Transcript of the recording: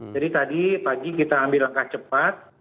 jadi tadi pagi kita ambil langkah cepat